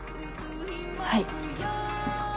はい。